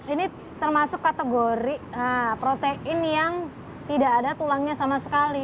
ini termasuk kategori protein yang tidak ada tulangnya sama sekali